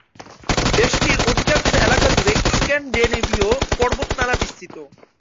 দেশটির অধিকাংশ এলাকা জুড়ে স্ক্যান্ডিনেভীয় পর্বতমালা বিস্তৃত।